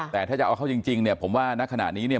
แต่ถ้าจะเอาเข้าจริงเนี่ยผมว่าณขณะนี้เนี่ย